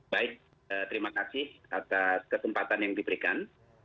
baik terima kasih atas kesempatan yang diberikan